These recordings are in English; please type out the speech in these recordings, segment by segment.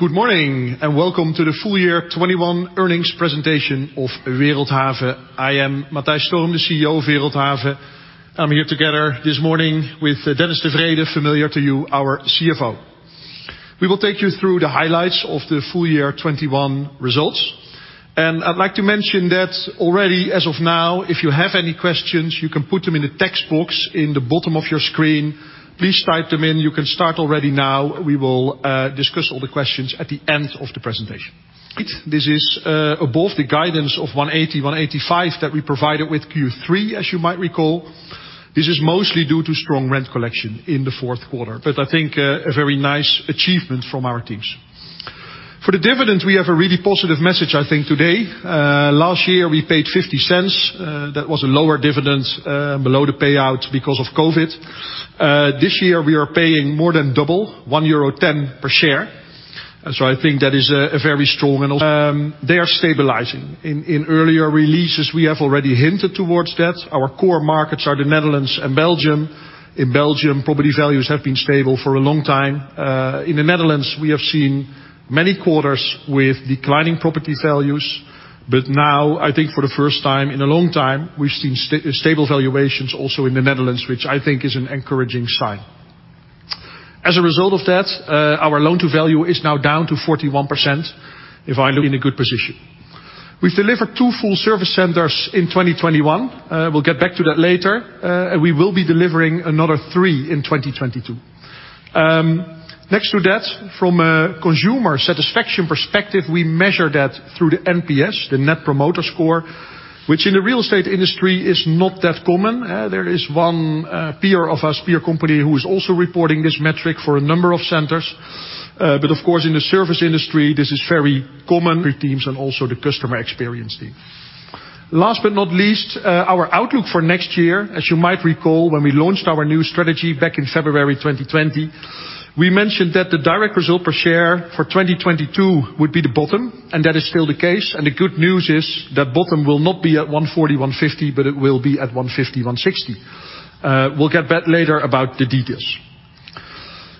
Good morning and welcome to the full year 2021 earnings presentation of Wereldhave. I am Matthijs Storm, the CEO of Wereldhave. I am here together this morning with Dennis de Vreede, familiar to you, our CFO. We will take you through the highlights of the full year 2021 results. I would like to mention that already as of now, if you have any questions, you can put them in the text box in the bottom of your screen. Please type them in. You can start already now. We will discuss all the questions at the end of the presentation. This is above the guidance of 1.80-1.85 that we provided with Q3, as you might recall. This is mostly due to strong rent collection in the fourth quarter, but I think a very nice achievement from our teams. For the dividend, we have a really positive message, I think today. Last year we paid 0.50. That was a lower dividend below the payout because of COVID. This year we are paying more than double, 1.10 euro per share. I think that is a very strong and also They are stabilizing. In earlier releases we have already hinted towards that. Our core markets are the Netherlands and Belgium. In Belgium, property values have been stable for a long time. In the Netherlands, we have seen many quarters with declining property values. Now, I think for the first time in a long time, we have seen stable valuations also in the Netherlands, which I think is an encouraging sign. As a result of that, our LTV is now down to 41%. If I look in a good position. We have delivered two Full Service Centers in 2021. We will get back to that later. We will be delivering another three in 2022. Next to that, from a consumer satisfaction perspective, we measure that through the NPS, the Net Promoter Score, which in the real estate industry is not that common. There is one peer of us, peer company, who is also reporting this metric for a number of centers. Of course, in the service industry, this is very common teams and also the customer experience team. Last but not least, our outlook for next year. As you might recall, when we launched our new strategy back in February 2020, we mentioned that the direct result per share for 2022 would be the bottom, and that is still the case. The good news is that bottom will not be at 1.40-1.50, but it will be at 1.50-1.60. We will get back later about the details.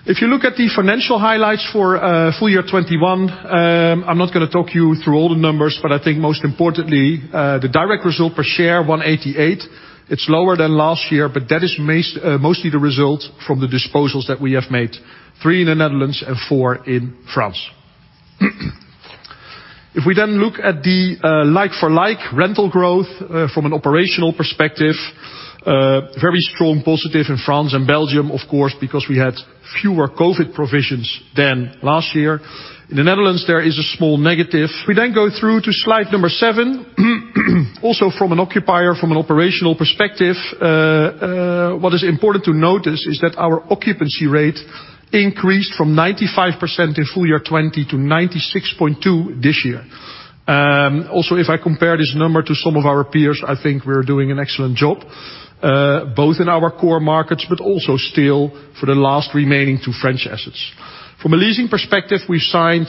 If you look at the financial highlights for full year 2021, I am not going to talk you through all the numbers, but I think most importantly, the direct result per share, 1.88. It is lower than last year, but that is mostly the result from the disposals that we have made, three in the Netherlands and four in France. If we look at the like-for-like rental growth from an operational perspective, very strong positive in France and Belgium, of course, because we had fewer COVID provisions than last year. In the Netherlands, there is a small negative. If we go through to slide number seven. Also from an occupier, from an operational perspective, what is important to notice is that our occupancy rate increased from 95% in full year 2020 to 96.2% this year. Also, if I compare this number to some of our peers, I think we're doing an excellent job both in our core markets but also still for the last remaining two French assets. From a leasing perspective, we signed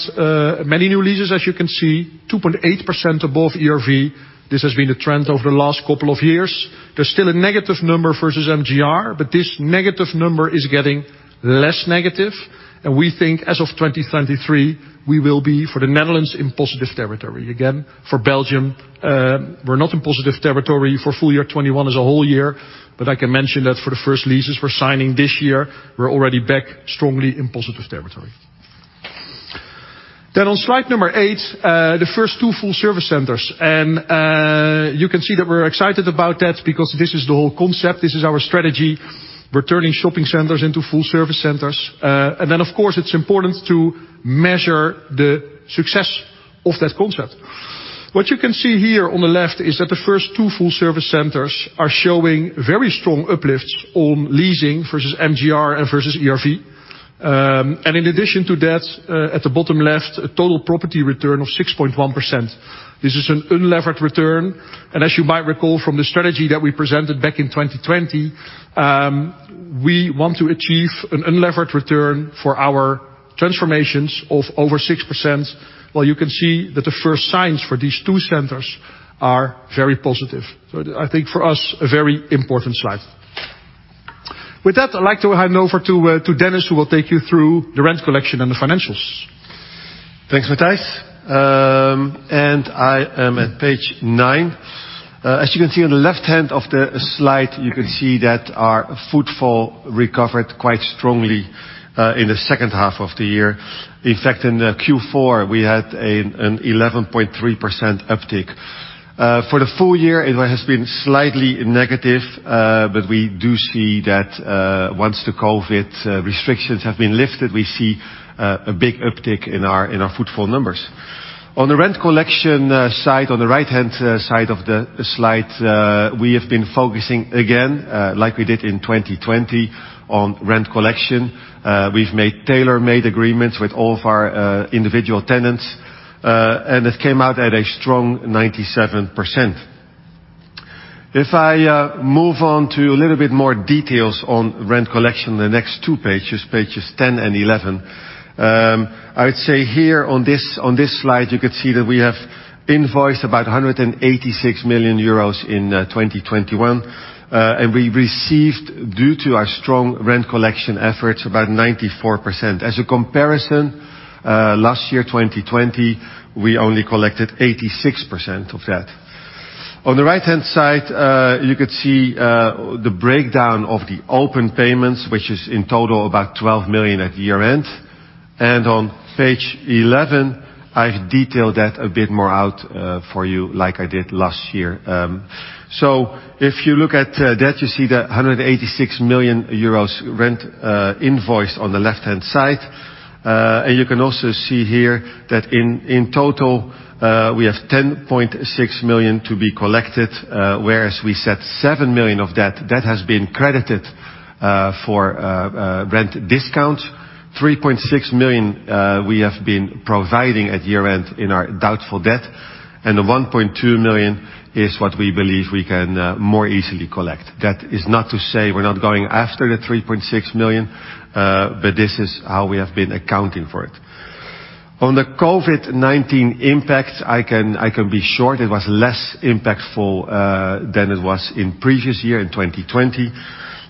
many new leases. As you can see, 2.8% above ERV. This has been the trend over the last couple of years. There's still a negative number versus MGR, but this negative number is getting less negative, and we think as of 2023, we will be for the Netherlands in positive territory again. For Belgium, we're not in positive territory for full year 2021 as a whole year, but I can mention that for the first leases we're signing this year, we're already back strongly in positive territory. On slide number eight, the first two Full Service Centers. You can see that we're excited about that because this is the whole concept. This is our strategy. We're turning shopping centers into Full Service Centers. Then, of course, it's important to measure the success of that concept. What you can see here on the left is that the first two Full Service Centers are showing very strong uplifts on leasing versus MGR and versus ERV. In addition to that, at the bottom left, a total property return of 6.1%. This is an unlevered return, and as you might recall from the strategy that we presented back in 2020, we want to achieve an unlevered return for our transformations of over 6%. Well, you can see that the first signs for these two centers are very positive. I think for us, a very important slide. With that, I'd like to hand over to Dennis, who will take you through the rent collection and the financials. Thanks, Matthijs. I am at page nine. As you can see on the left hand of the slide, you can see that our footfall recovered quite strongly in the second half of the year. In fact, in Q4 we had an 11.3% uptick. For the full year it has been slightly negative, but we do see that once the COVID restrictions have been lifted, we see a big uptick in our footfall numbers. On the rent collection side, on the right-hand side of the slide, we have been focusing again like we did in 2020 on rent collection. We've made tailor-made agreements with all of our individual tenants, and it came out at a strong 97%. If I move on to a little bit more details on rent collection in the next two pages 10 and 11. I would say here on this slide, you could see that we have invoiced about 186 million euros in 2021. We received, due to our strong rent collection efforts, about 94%. As a comparison, last year, 2020, we only collected 86% of that. On the right-hand side, you can see the breakdown of the open payments, which is in total about 12 million at year-end. On page 11, I've detailed that a bit more out for you like I did last year. If you look at that, you see the 186 million euros rent invoice on the left-hand side. You can also see here that in total, we have 10.6 million to be collected, whereas we set 7 million of that. That has been credited for rent discount. 3.6 million we have been providing at year-end in our doubtful debt, and the 1.2 million is what we believe we can more easily collect. That is not to say we're not going after the 3.6 million. This is how we have been accounting for it. On the COVID-19 impact, I can be short. It was less impactful than it was in previous year, in 2020.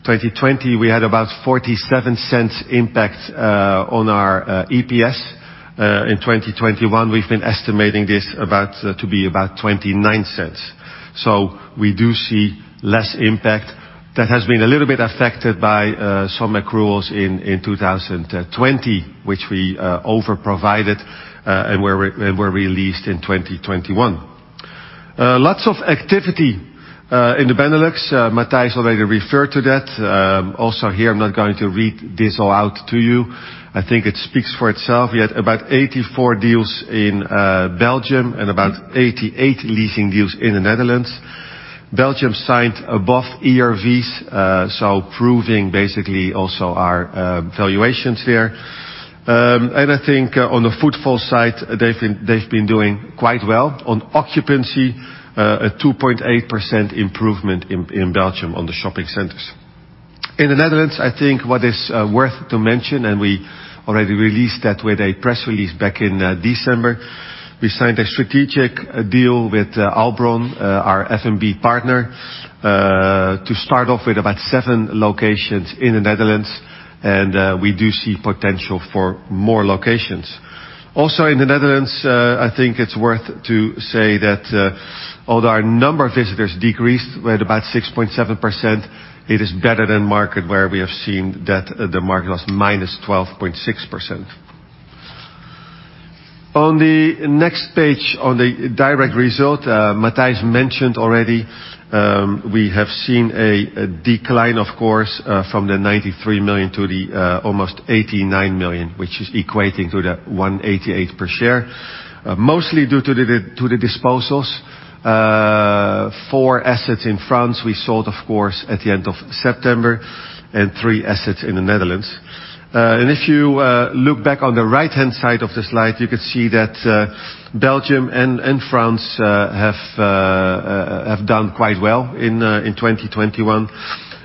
2020, we had about 0.47 impact on our EPS. In 2021, we've been estimating this to be about 0.29. We do see less impact. That has been a little bit affected by some accruals in 2020, which we over-provided and were released in 2021. Lots of activity in the Benelux. Matthijs already referred to that. Here, I'm not going to read this all out to you. I think it speaks for itself. We had about 84 deals in Belgium and about 88 leasing deals in the Netherlands. Belgium signed above ERVs, so proving basically also our valuations there. I think on the footfall side, they've been doing quite well. On occupancy, a 2.8% improvement in Belgium on the shopping centers. In the Netherlands, I think what is worth to mention, and we already released that with a press release back in December, we signed a strategic deal with Albron, our F&B partner, to start off with about seven locations in the Netherlands, and we do see potential for more locations. In the Netherlands, I think it's worth to say that although our number of visitors decreased by about 6.7%, it is better than market, where we have seen that the market was -12.6%. On the next page, on the direct result, Matthijs mentioned already, we have seen a decline, of course, from the 93 million to the almost 89 million, which is equating to the 1.88 per share. Mostly due to the disposals. Four assets in France we sold, of course, at the end of September and three assets in the Netherlands. If you look back on the right-hand side of the slide, you can see that Belgium and France have done quite well in 2021.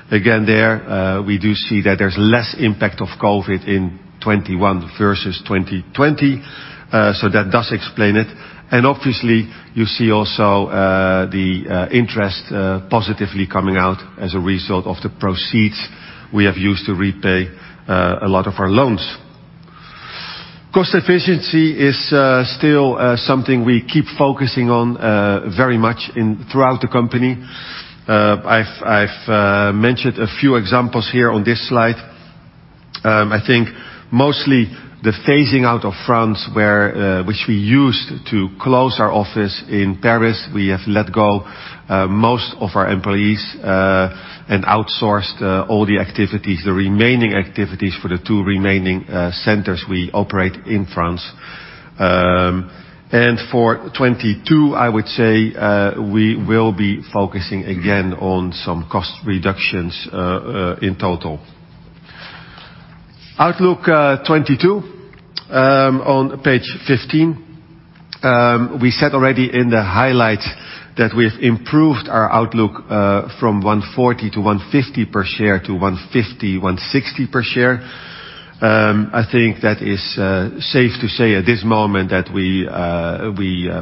There we do see that there's less impact of COVID in 2021 versus 2020. That does explain it. Obviously, you see also the interest positively coming out as a result of the proceeds we have used to repay a lot of our loans. Cost efficiency is still something we keep focusing on very much throughout the company. I've mentioned a few examples here on this slide. The phasing out of France, which we used to close our office in Paris. We have let go most of our employees, outsourced all the activities, the remaining activities for the two remaining centers we operate in France. For 2022, we will be focusing again on some cost reductions in total. Outlook 2022 on page 15. We said already in the highlights that we've improved our outlook from 1.40-1.50 per share to 1.50-1.60 per share.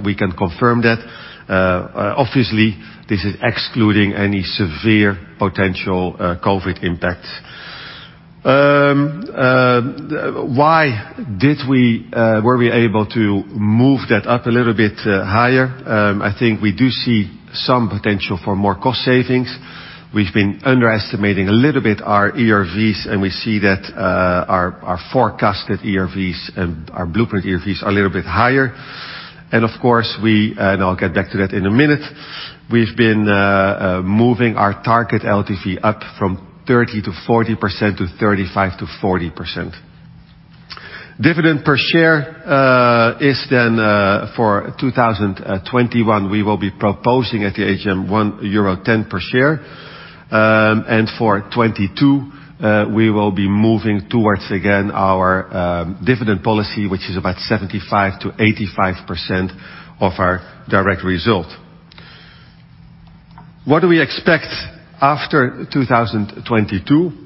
We can confirm that. Obviously, this is excluding any severe potential COVID impacts. Why were we able to move that up a little bit higher? We do see some potential for more cost savings. We've been underestimating a little bit our ERVs. We see that our forecasted ERVs and our blueprint ERVs are a little bit higher. We've been moving our target LTV up from 30%-40% to 35%-40%. Dividend per share for 2021, we will be proposing at the AGM 1.10 euro per share. For 2022, we will be moving towards, again, our dividend policy, which is about 75%-85% of our direct result. What do we expect after 2022?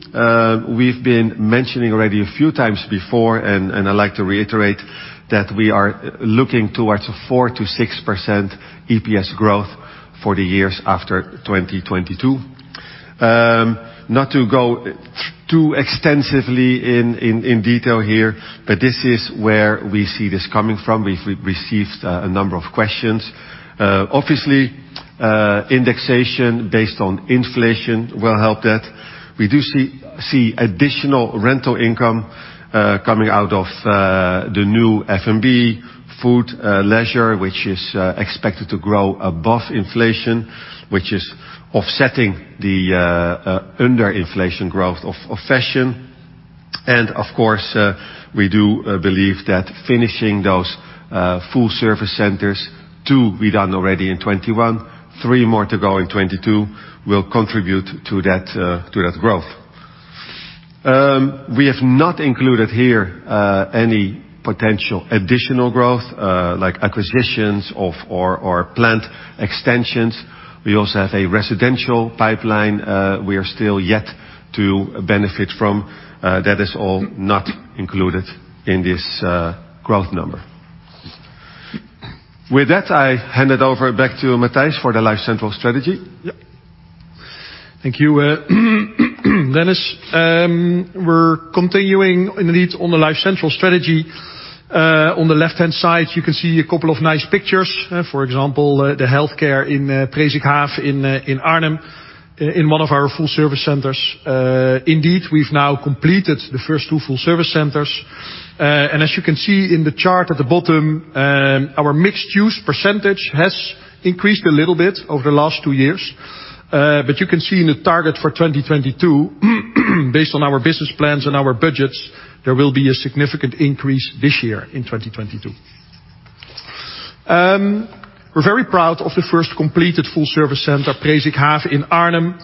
We've been mentioning already a few times before. We are looking towards a 4%-6% EPS growth for the years after 2022. Not to go too extensively in detail here. This is where we see this coming from. We've received a number of questions. Obviously, indexation based on inflation will help that. We do see additional rental income coming out of the new F&B food leisure, which is expected to grow above inflation, which is offsetting the under inflation growth of fashion. We do believe that finishing those Full Service Centers, two we've done already in 2021, three more to go in 2022, will contribute to that growth. We have not included here any potential additional growth like acquisitions of or plant extensions. We also have a residential pipeline we are still yet to benefit from. That is all not included in this growth number. With that, I hand it over back to Matthijs for the LifeCentral strategy. Thank you Dennis. We're continuing indeed on the LifeCentral strategy. On the left-hand side, you can see a couple of nice pictures. For example, the healthcare in Presikhaaf in Arnhem in one of our Full Service Centers. Indeed, we've now completed the first two Full Service Centers. As you can see in the chart at the bottom, our mixed use percentage has increased a little bit over the last two years. You can see in the target for 2022, based on our business plans and our budgets, there will be a significant increase this year in 2022. We're very proud of the first completed Full Service Center, Presikhaaf in Arnhem,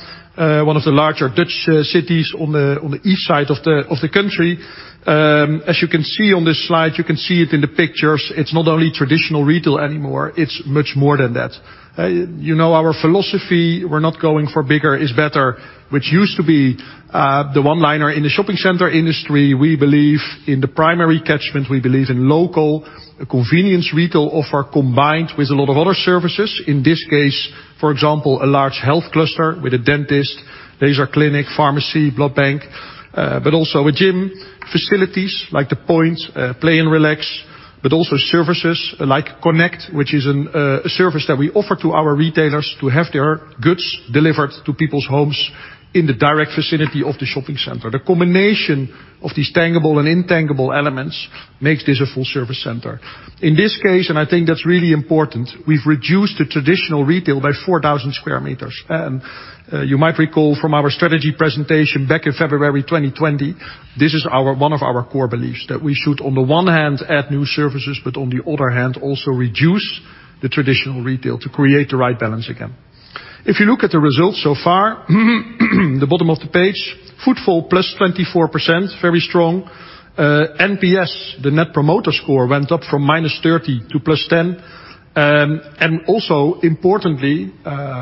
one of the larger Dutch cities on the east side of the country. As you can see on this slide, you can see it in the pictures, it's not only traditional retail anymore, it's much more than that. You know our philosophy, we're not going for bigger is better, which used to be the one-liner in the shopping center industry. We believe in the primary catchment, we believe in local convenience retail offer, combined with a lot of other services. In this case, for example, a large health cluster with a dentist, laser clinic, pharmacy, blood bank. Also a gym, facilities like The Point, play and relax, but also services like Connect, which is a service that we offer to our retailers to have their goods delivered to people's homes in the direct vicinity of the shopping center. The combination of these tangible and intangible elements makes this a Full Service Center. In this case, and I think that's really important, we've reduced the traditional retail by 4,000 sq m. You might recall from our strategy presentation back in February 2020, this is one of our core beliefs. That we should, on the one hand, add new services, but on the other hand, also reduce the traditional retail to create the right balance again. If you look at the results so far, the bottom of the page, footfall +24%, very strong. NPS, the net promoter score, went up from -30 to +10. Also importantly,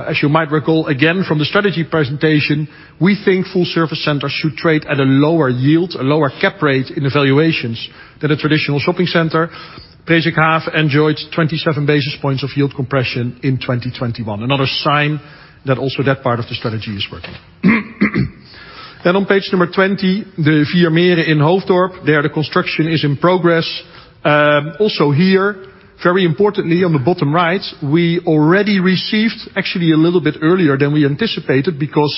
as you might recall again from the strategy presentation, we think Full Service Centers should trade at a lower yield, a lower cap rate in evaluations than a traditional shopping center. Presikhaaf enjoyed 27 basis points of yield compression in 2021. Another sign that also that part of the strategy is working. On page number 20, de Vier Meren in Hoofddorp. There, the construction is in progress. Also here, very importantly on the bottom right, we already received, actually a little bit earlier than we anticipated because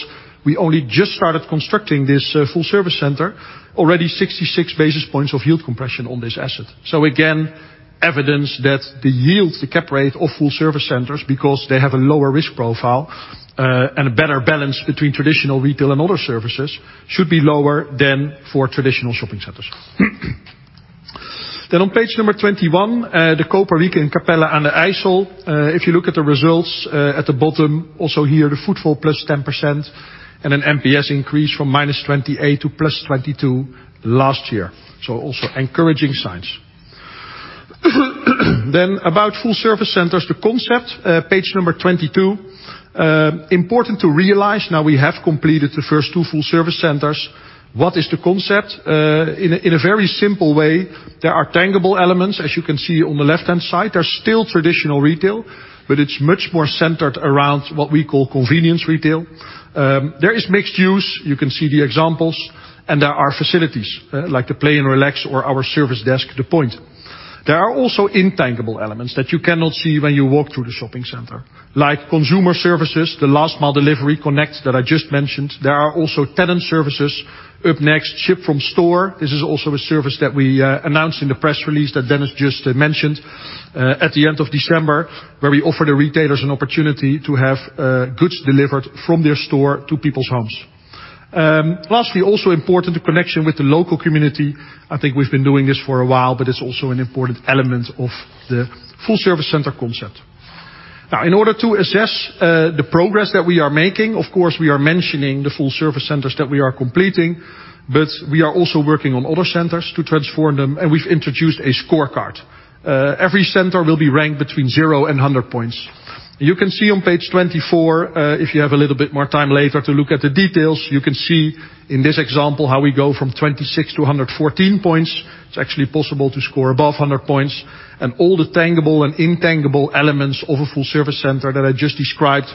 we only just started constructing this Full Service Center, already 66 basis points of yield compression on this asset. Again, evidence that the yields, the cap rate of Full Service Centers, because they have a lower risk profile and a better balance between traditional retail and other services, should be lower than for traditional shopping centers. On page number 21, De Koperwiek in Capelle aan den IJssel. If you look at the results at the bottom, also here, the footfall +10% and an NPS increase from -28 to +22 last year. Also encouraging signs. About Full Service Centers, the concept. Page number 22. Important to realize now we have completed the first two Full Service Centers. What is the concept? In a very simple way, there are tangible elements, as you can see on the left-hand side. There's still traditional retail, but it's much more centered around what we call convenience retail. There is mixed use, you can see the examples, and there are facilities like the play and relax or our service desk, The Point. There are also intangible elements that you cannot see when you walk through the shopping center. Like consumer services, the last mile delivery, Connect that I just mentioned. There are also tenant services. Up next, Ship from Store. This is also a service that we announced in the press release that Dennis just mentioned at the end of December, where we offer the retailers an opportunity to have goods delivered from their store to people's homes. Lastly, also important, the connection with the local community. I think we have been doing this for a while, but it is also an important element of the Full Service Center concept. Now in order to assess the progress that we are making, of course, we are mentioning the Full Service Centers that we are completing, but we are also working on other centers to transform them, and we have introduced a scorecard. Every center will be ranked between 0 and 100 points. You can see on page 24, if you have a little bit more time later to look at the details, you can see in this example how we go from 26 to 114 points. It is actually possible to score above 100 points. All the tangible and intangible elements of a Full Service Center that I just described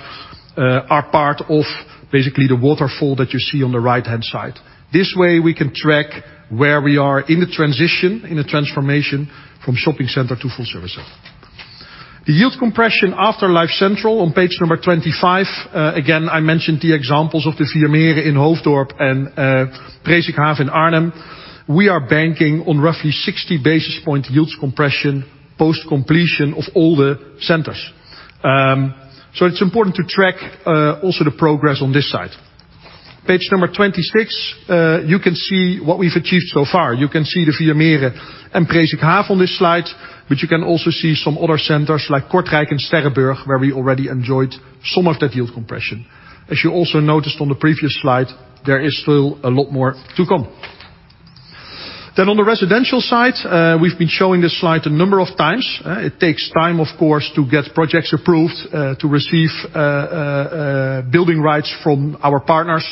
are part of basically the waterfall that you see on the right-hand side. This way, we can track where we are in the transition, in the transformation from shopping center to Full Service Center. The yield compression after LifeCentral on page number 25. Again, I mentioned the examples of the Vier Meren in Hoofddorp and Presikhaaf in Arnhem. We are banking on roughly 60 basis point yields compression post-completion of all the centers. So it is important to track also the progress on this side. Page number 26, you can see what we have achieved so far. You can see the Vier Meren and Presikhaaf on this slide, but you can also see some other centers like Kortrijk and Sterrenburg, where we already enjoyed some of that yield compression. As you also noticed on the previous slide, there is still a lot more to come. On the residential side, we have been showing this slide a number of times. It takes time, of course, to get projects approved, to receive building rights from our partners,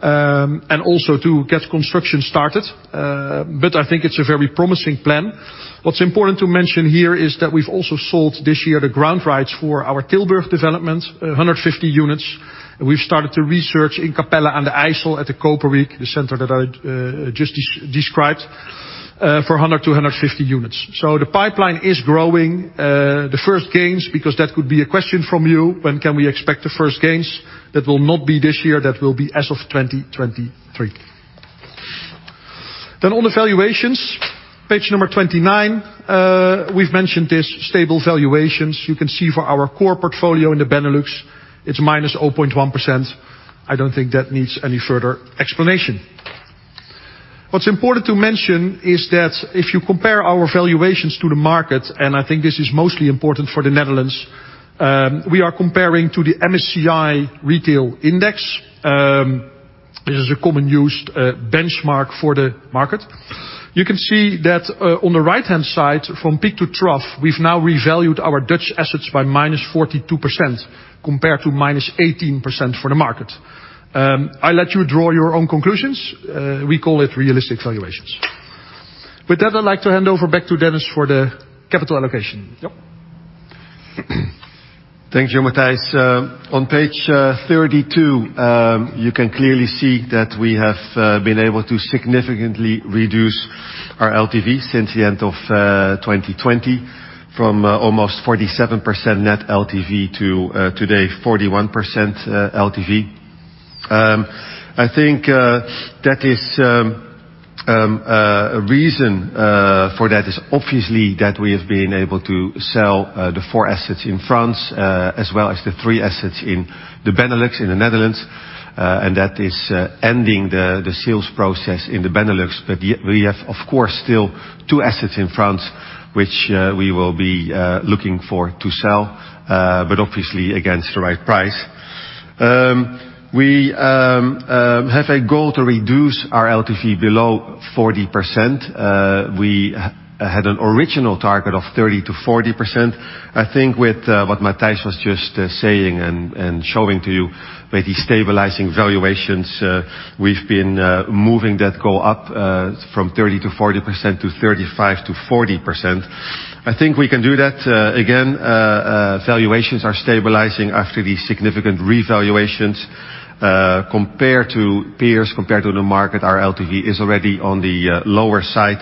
and also to get construction started, but I think it is a very promising plan. What is important to mention here is that we have also sold this year the ground rights for our Tilburg development, 150 units. We have started the research in Capelle aan den IJssel at the Koperwiek, the center that I just described, for 100 to 150 units. So the pipeline is growing. The first gains, because that could be a question from you, when can we expect the first gains? That will not be this year. That will be as of 2023. On the valuations, page number 29. We have mentioned this, stable valuations. You can see for our core portfolio in the Benelux, it is -0.1%. I don't think that needs any further explanation. What is important to mention is that if you compare our valuations to the market, and I think this is mostly important for the Netherlands, we are comparing to the MSCI Retail Index. This is a commonly used benchmark for the market. You can see that on the right-hand side from peak to trough, we have now revalued our Dutch assets by -42% compared to -18% for the market. I let you draw your own conclusions. We call it realistic valuations. With that, I'd like to hand over back to Dennis for the capital allocation. Thank you, Matthijs. On page 32, you can clearly see that we have been able to significantly reduce our LTV since the end of 2020 from almost 47% net LTV to today, 41% LTV. I think a reason for that is obviously that we have been able to sell the four assets in France, as well as the three assets in the Benelux, in the Netherlands, and that is ending the sales process in the Benelux. We have, of course, still two assets in France, which we will be looking for to sell, but obviously against the right price. We have a goal to reduce our LTV below 40%. We had an original target of 30%-40%. I think with what Matthijs was just saying and showing to you with the stabilizing valuations, we have been moving that goal up from 30%-40% to 35%-40%. I think we can do that. Again, valuations are stabilizing after the significant revaluations. Compared to peers, compared to the market, our LTV is already on the lower side.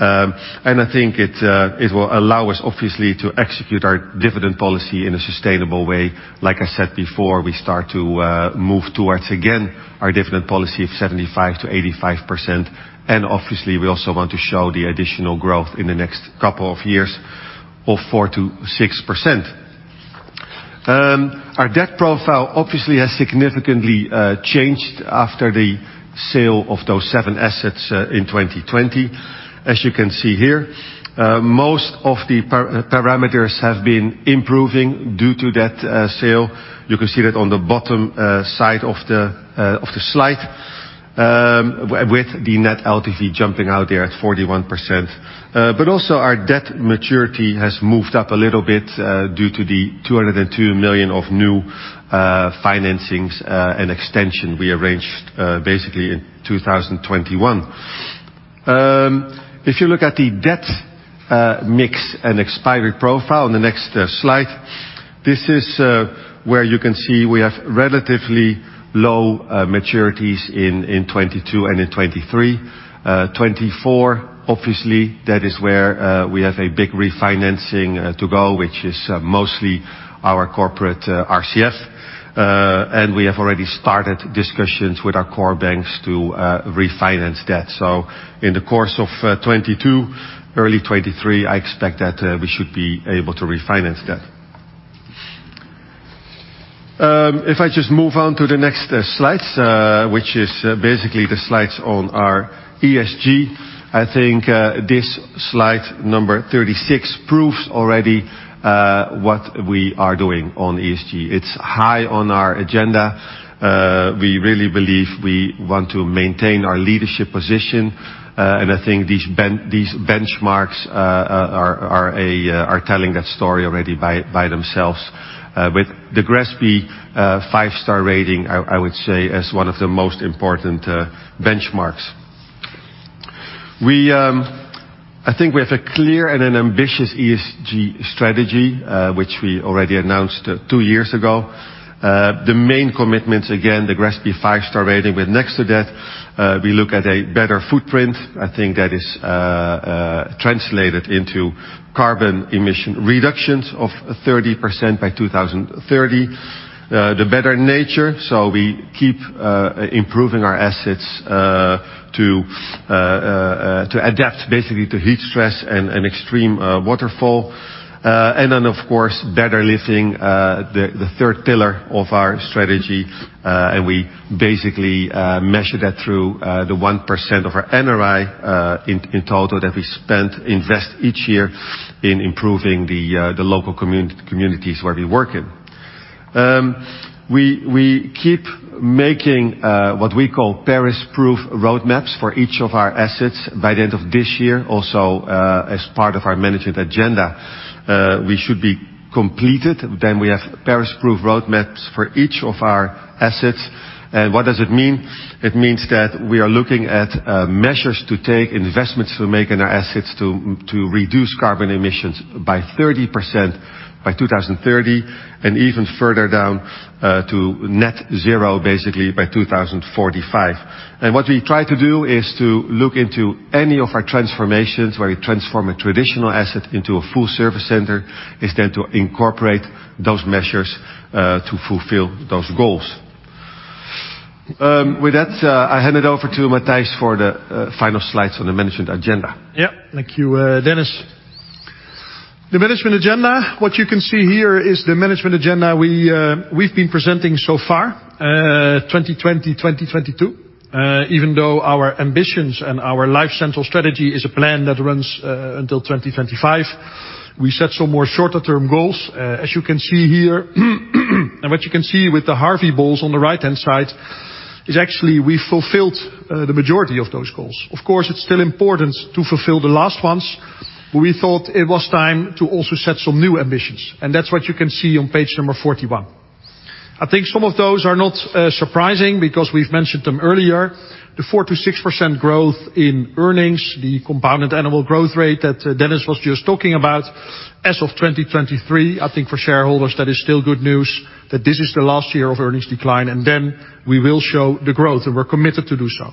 And I think it will allow us obviously to execute our dividend policy in a sustainable way. Like I said before, we start to move towards, again, our dividend policy of 75%-85%. And obviously, we also want to show the additional growth in the next couple of years of 4%-6%. Our debt profile obviously has significantly changed after the sale of those seven assets in 2020. As you can see here, most of the parameters have been improving due to that sale. You can see that on the bottom side of the slide, with the net LTV jumping out there at 41%. But also our debt maturity has moved up a little bit due to the 202 million of new financings and extension we arranged basically in 2021. If you look at the debt mix and expiry profile on the next slide, this is where you can see we have relatively low maturities in 2022 and in 2023. 2024, obviously, that is where we have a big refinancing to go, which is mostly our corporate RCF. And we have already started discussions with our core banks to refinance that. So in the course of 2022, early 2023, I expect that we should be able to refinance that. If I just move on to the next slides, which is basically the slides on our ESG. I think this slide number 36 proves already what we are doing on ESG. It is high on our agenda. We really believe we want to maintain our leadership position. And I think these benchmarks are telling that story already by themselves. With the GRESB five-star rating, I would say, as one of the most important benchmarks I think we have a clear and an ambitious ESG strategy, which we already announced two years ago. The main commitments again, the GRESB five-star rating, but next to that we look at a better footprint. I think that is translated into carbon emission reductions of 30% by 2030. The better nature. So we keep improving our assets to adapt basically to heat stress and extreme waterfall. And then of course, better living, the third pillar of our strategy. And we basically measure that through the 1% of our NRI in total that we invest each year in improving the local communities where we work in. We keep making what we call Paris proof roadmaps for each of our assets by the end of this year. Also, as part of our management agenda, we should be completed, then we have Paris proof roadmaps for each of our assets. What does it mean? It means that we are looking at measures to take, investments to make in our assets to reduce carbon emissions by 30% by 2030, and even further down to net zero, basically by 2045. What we try to do is to look into any of our transformations where we transform a traditional asset into a Full Service Center, is then to incorporate those measures to fulfill those goals. With that, I hand it over to Matthijs for the final slides on the management agenda. Thank you, Dennis. The management agenda. What you can see here is the management agenda we've been presenting so far, 2020, 2022. Even though our ambitions and our LifeCentral strategy is a plan that runs until 2025, we set some more shorter term goals, as you can see here. What you can see with the Harvey balls on the right-hand side is actually we fulfilled the majority of those goals. Of course, it's still important to fulfill the last ones. We thought it was time to also set some new ambitions, that's what you can see on page number 41. I think some of those are not surprising because we've mentioned them earlier. The 4%-6% growth in earnings, the CAGR that Dennis was just talking about as of 2023. I think for shareholders, that is still good news that this is the last year of earnings decline, then we will show the growth and we're committed to do so.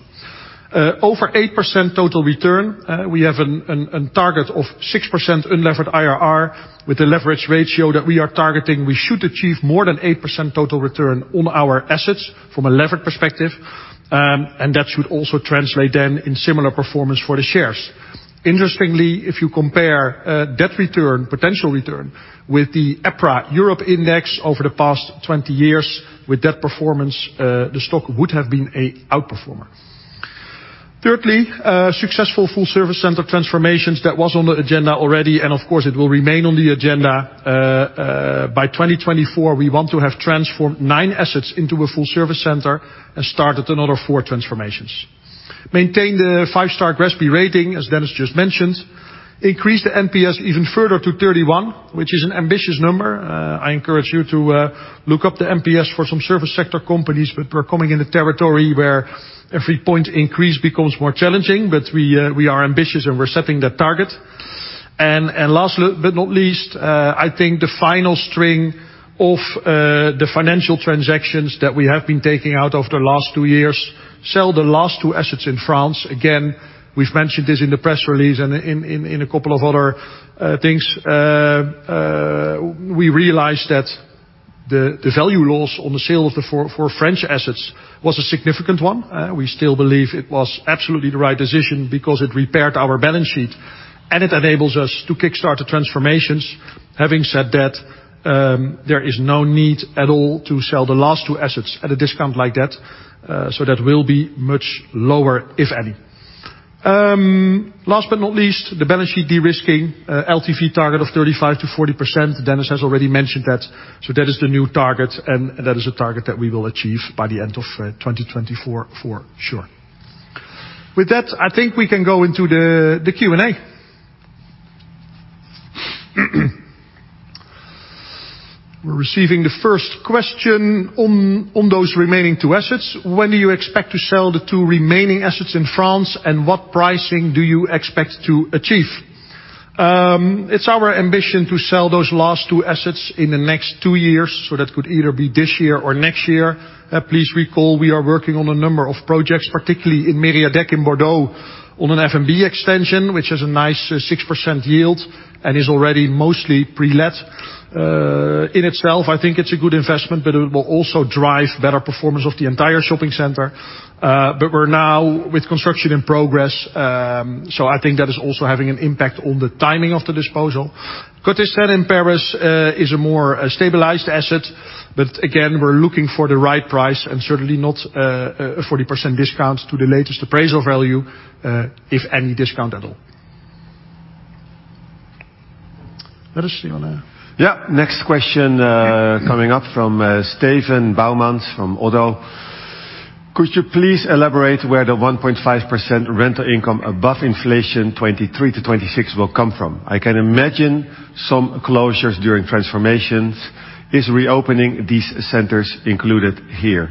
Over 8% total return. We have a target of 6% unlevered IRR with a leverage ratio that we are targeting. We should achieve more than 8% total return on our assets from a levered perspective. That should also translate then in similar performance for the shares. Interestingly, if you compare that return, potential return, with the EPRA Europe Index over the past 20 years, with that performance, the stock would have been an outperformer. Thirdly, successful Full Service Center transformations. That was on the agenda already and of course it will remain on the agenda. By 2024, we want to have transformed nine assets into a Full Service Center and started another four transformations. Maintain the five-star GRESB rating as Dennis just mentioned. Increase the NPS even further to 31, which is an ambitious number. I encourage you to look up the NPS for some service sector companies. But we're coming in a territory where every point increase becomes more challenging but we are ambitious and we're setting that target. Last but not least, I think the final string of the financial transactions that we have been taking out of the last two years. Sell the last two assets in France. Again, we've mentioned this in the press release and in a couple of other things. We realized that the value loss on the sale of the four French assets was a significant one. We still believe it was absolutely the right decision because it repaired our balance sheet and it enables us to kickstart the transformations. Having said that, there is no need at all to sell the last two assets at a discount like that. That will be much lower if any. Last but not least, the balance sheet de-risking LTV target of 35%-40%. Dennis de Vreede has already mentioned that. That is the new target, and that is a target that we will achieve by the end of 2024 for sure. With that, I think we can go into the Q&A. We are receiving the first question on those remaining two assets. When do you expect to sell the two remaining assets in France, and what pricing do you expect to achieve? It is our ambition to sell those last two assets in the next two years, that could either be this year or next year. Please recall we are working on a number of projects, particularly in Mériadeck in Bordeaux on an F&B extension, which has a nice 6% yield and is already mostly pre-let. In itself, I think it is a good investment, it will also drive better performance of the entire shopping center. We are now with construction in progress, I think that is also having an impact on the timing of the disposal. Côté Seine in Paris is a more stabilized asset, again, we are looking for the right price and certainly not a 40% discount to the latest appraisal value, if any discount at all. Let us see on there. Next question, coming up from Steven Bouwmans from Oddo. Could you please elaborate where the 1.5% rental income above inflation 2023 to 2026 will come from? I can imagine some closures during transformations. Is reopening these centers included here?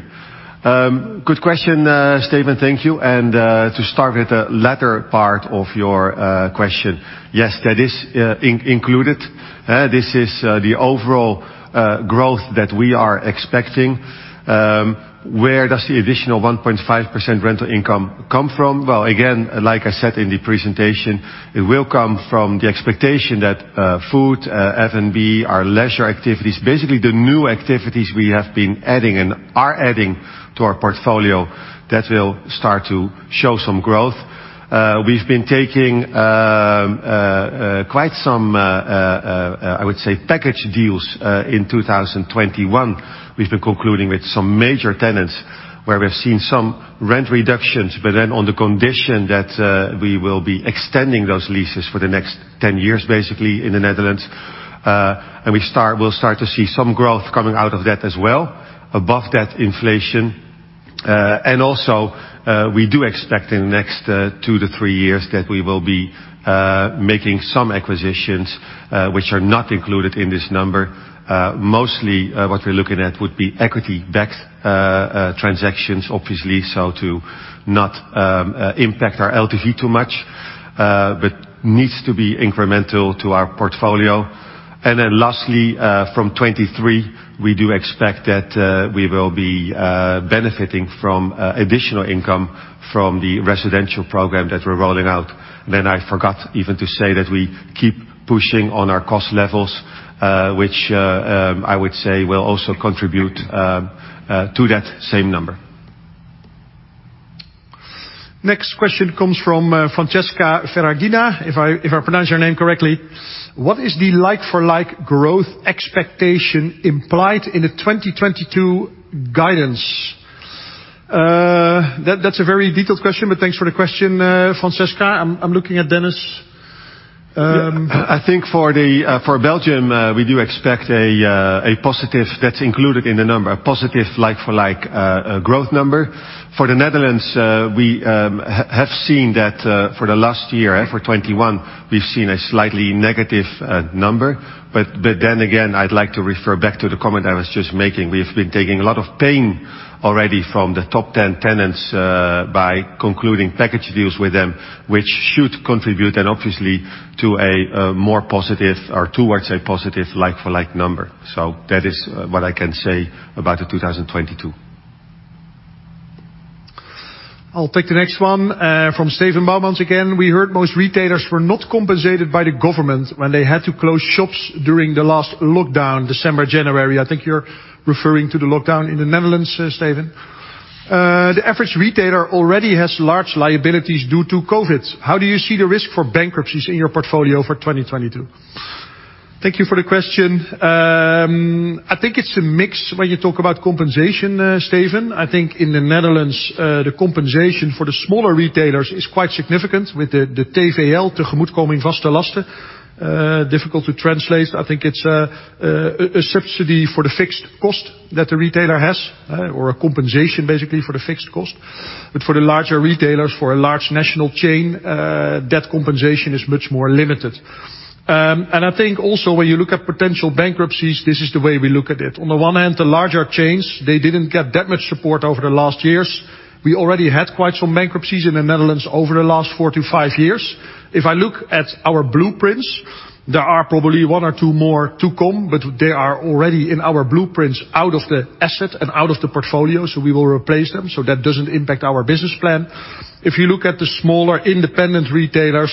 Good question, Steven. Thank you. To start with the latter part of your question. Yes, that is included. This is the overall growth that we are expecting. Where does the additional 1.5% rental income come from? Well, again, like I said in the presentation, it will come from the expectation that food, F&B, our leisure activities, basically the new activities we have been adding and are adding to our portfolio, that will start to show some growth. We have been taking quite some, I would say, package deals in 2021. We have been concluding with some major tenants where we have seen some rent reductions, on the condition that we will be extending those leases for the next 10 years, basically in the Netherlands. We will start to see some growth coming out of that as well above that inflation. Also, we do expect in the next two to three years that we will be making some acquisitions, which are not included in this number. Mostly what we are looking at would be equity-backed transactions, obviously, to not impact our LTV too much. Needs to be incremental to our portfolio. Lastly, from 2023, we do expect that we will be benefiting from additional income from the residential program that we are rolling out. I forgot even to say that we keep pushing on our cost levels, which I would say will also contribute to that same number. Next question comes from Francesca Ferragina, if I pronounce your name correctly. "What is the like-for-like growth expectation implied in the 2022 guidance?" That's a very detailed question, thanks for the question, Francesca. I'm looking at Dennis. I think for Belgium, we do expect a positive that's included in the number, a positive like-for-like growth number. For the Netherlands, we have seen that for the last year, for 2021, we've seen a slightly negative number. Again, I'd like to refer back to the comment I was just making. We have been taking a lot of pain already from the top 10 tenants by concluding package deals with them, which should contribute then obviously towards a positive like-for-like number. That is what I can say about the 2022. I'll take the next one from Steven Bouwmans again. "We heard most retailers were not compensated by the government when they had to close shops during the last lockdown, December, January." I think you're referring to the lockdown in the Netherlands, Steven. "The average retailer already has large liabilities due to COVID. How do you see the risk for bankruptcies in your portfolio for 2022?" Thank you for the question. I think it's a mix when you talk about compensation, Steven. I think in the Netherlands, the compensation for the smaller retailers is quite significant with the TVL, Tegemoetkoming Vaste Lasten. Difficult to translate. I think it's a subsidy for the fixed cost that the retailer has or a compensation basically for the fixed cost. For the larger retailers, for a large national chain, that compensation is much more limited. I think also when you look at potential bankruptcies, this is the way we look at it. On the one hand, the larger chains, they didn't get that much support over the last years. We already had quite some bankruptcies in the Netherlands over the last four to five years. If I look at our blueprints, there are probably one or two more to come, but they are already in our blueprints out of the asset and out of the portfolio, so we will replace them. That doesn't impact our business plan. If you look at the smaller independent retailers,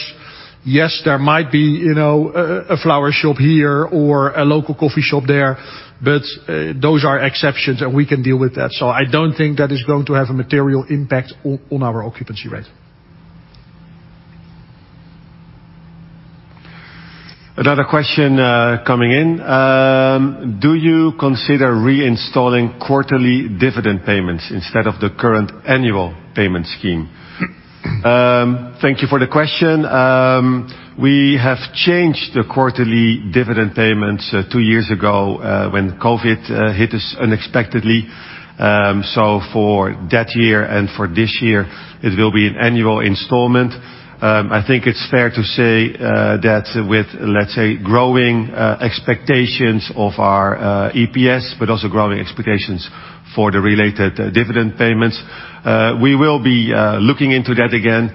yes, there might be a flower shop here or a local coffee shop there, but those are exceptions and we can deal with that. I don't think that is going to have a material impact on our occupancy rate. Another question coming in. "Do you consider reinstalling quarterly dividend payments instead of the current annual payment scheme?" Thank you for the question. We have changed the quarterly dividend payments two years ago when COVID hit us unexpectedly. For that year and for this year, it will be an annual installment. I think it's fair to say that with, let's say, growing expectations of our EPS, but also growing expectations for the related dividend payments, we will be looking into that again.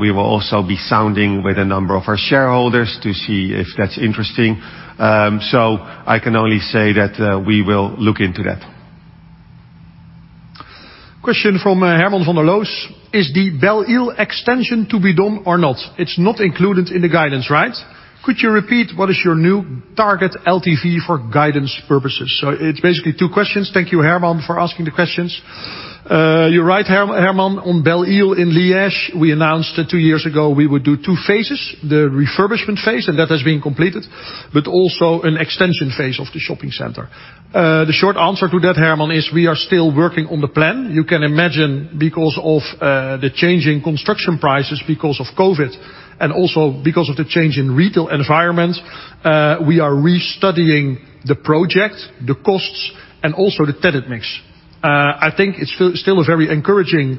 We will also be sounding with a number of our shareholders to see if that's interesting. I can only say that we will look into that. Question from Herman van der Loos. "Is the Belle-Île extension to be done or not? It's not included in the guidance, right? Could you repeat what is your new target LTV for guidance purposes?" It's basically two questions. Thank you, Herman, for asking the questions. You're right, Herman. On Belle-Île in Liège, we announced that two years ago we would do two phases. The refurbishment phase, and that has been completed, but also an extension phase of the shopping center. The short answer to that, Herman, is we are still working on the plan. You can imagine because of the change in construction prices because of COVID, and also because of the change in retail environment, we are restudying the project, the costs, and also the tenant mix. I think it's still a very encouraging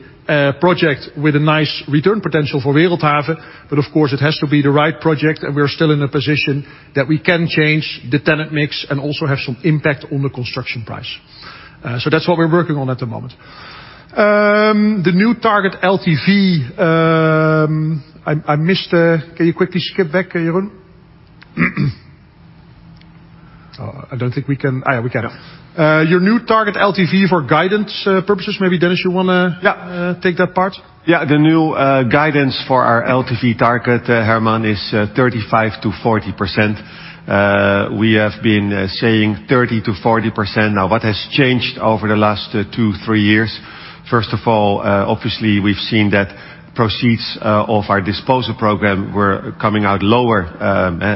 project with a nice return potential for Wereldhave, but of course it has to be the right project, and we're still in a position that we can change the tenant mix and also have some impact on the construction price. That's what we're working on at the moment. The new target LTV. Can you quickly skip back, Jeroen? I don't think we can. Yeah, we can. Yeah. Your new target LTV for guidance purposes, maybe Dennis, you want to- Yeah take that part? Yeah. The new guidance for our LTV target, Herman, is 35%-40%. We have been saying 30%-40%. What has changed over the last two, three years? First of all, obviously we've seen that proceeds of our disposal program were coming out lower,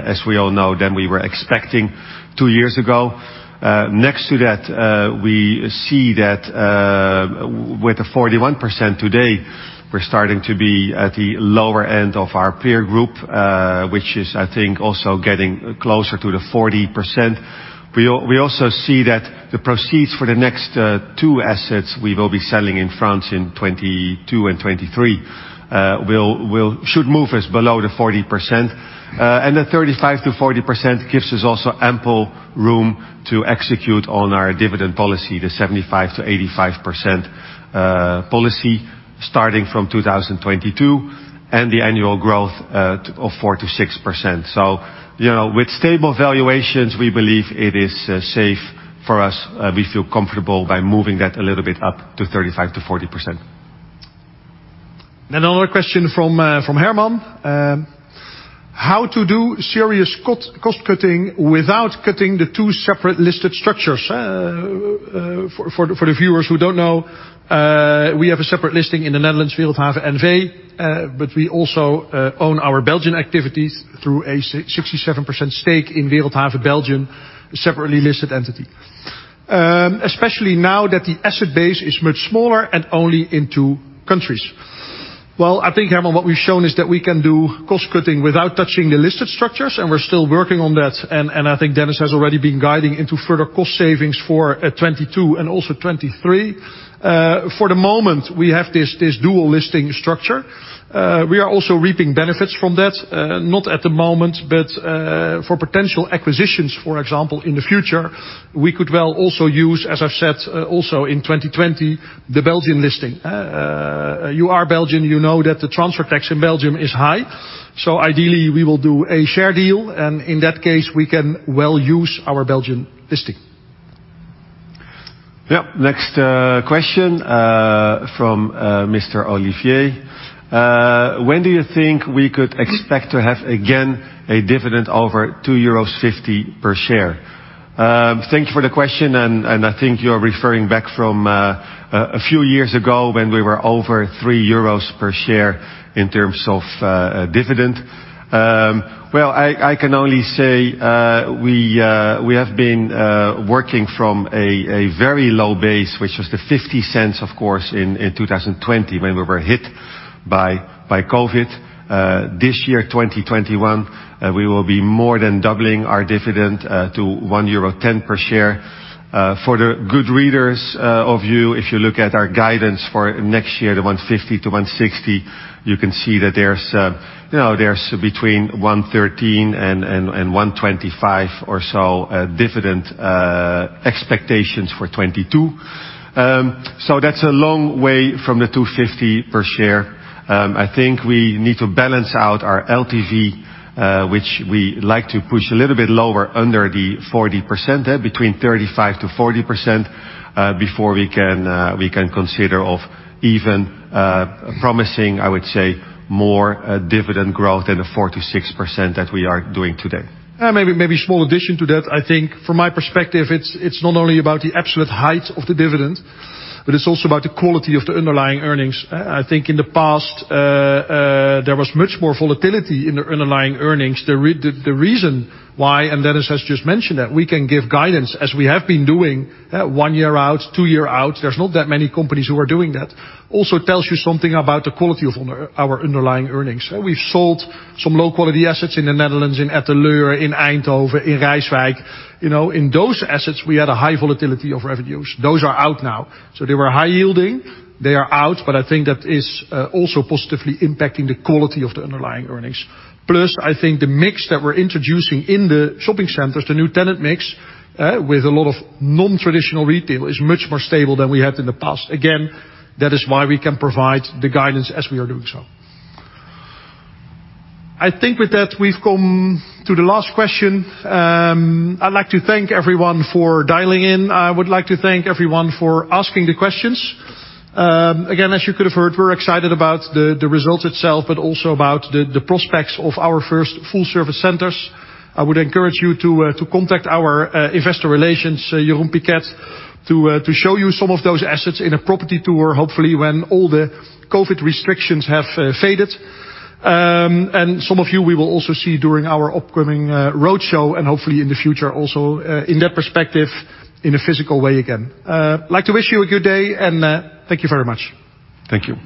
as we all know, than we were expecting two years ago. Next to that, we see that with the 41% today, we're starting to be at the lower end of our peer group, which is, I think, also getting closer to the 40%. We also see that the proceeds for the next two assets we will be selling in France in 2022 and 2023 should move us below the 40%. The 35%-40% gives us also ample room to execute on our dividend policy, the 75%-85% policy starting from 2022, and the annual growth of 4%-6%. With stable valuations, we believe it is safe for us. We feel comfortable by moving that a little bit up to 35%-40%. Another question from Herman. How to do serious cost-cutting without cutting the two separate listed structures? For the viewers who don't know, we have a separate listing in the Netherlands, Wereldhave N.V., but we also own our Belgian activities through a 67% stake in Wereldhave Belgium, a separately listed entity. Especially now that the asset base is much smaller and only in two countries. Well, I think, Herman, what we've shown is that we can do cost cutting without touching the listed structures, and we're still working on that, and I think Dennis has already been guiding into further cost savings for 2022 and also 2023. For the moment, we have this dual listing structure. We are also reaping benefits from that. Not at the moment, but for potential acquisitions, for example, in the future, we could well also use, as I've said also in 2020, the Belgian listing. You are Belgian, you know that the transfer tax in Belgium is high. Ideally we will do a share deal, and in that case, we can well use our Belgian listing. Next question from Mr. Olivier. When do you think we could expect to have again a dividend over €2.50 per share? Thank you for the question, and I think you're referring back from a few years ago when we were over €3 per share in terms of dividend. Well, I can only say we have been working from a very low base, which was the 0.50, of course, in 2020 when we were hit by COVID. This year, 2021, we will be more than doubling our dividend to €1.10 per share. For the good readers of you, if you look at our guidance for next year, the €1.50 to €1.60, you can see that there's between €1.13 and €1.25 or so dividend expectations for 2022. That's a long way from the €2.50 per share. I think we need to balance out our LTV, which we like to push a little bit lower under the 40%, between 35%-40%, before we can consider of even promising, I would say, more dividend growth than the 46% that we are doing today. Maybe a small addition to that. I think from my perspective, it's not only about the absolute height of the dividend, but it's also about the quality of the underlying earnings. I think in the past, there was much more volatility in the underlying earnings. The reason why, and Dennis has just mentioned that, we can give guidance as we have been doing one year out, two year out. There's not that many companies who are doing that. Also tells you something about the quality of our underlying earnings. We've sold some low quality assets in the Netherlands, in Etten-Leur, in Eindhoven, in Rijswijk. In those assets, we had a high volatility of revenues. Those are out now. They were high yielding. They are out, but I think that is also positively impacting the quality of the underlying earnings. Plus, I think the mix that we're introducing in the shopping centers, the new tenant mix with a lot of non-traditional retail, is much more stable than we had in the past. Again, that is why we can provide the guidance as we are doing so. I think with that, we've come to the last question. I'd like to thank everyone for dialing in. I would like to thank everyone for asking the questions. Again, as you could have heard, we're excited about the results itself, but also about the prospects of our first Full Service Centers. I would encourage you to contact our investor relations, Jeroen Piket, to show you some of those assets in a property tour, hopefully when all the COVID restrictions have faded. Some of you we will also see during our upcoming road show and hopefully in the future also in that perspective in a physical way again. Like to wish you a good day, and thank you very much. Thank you